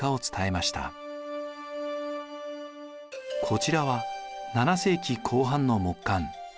こちらは７世紀後半の木簡。